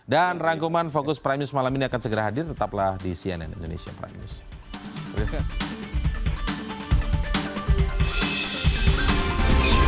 dan rangkuman fokus prime news malam ini akan segera hadir tetaplah di cnn indonesia prime news